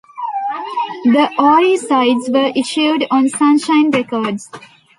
The Ory sides were issued on Sunshine Records.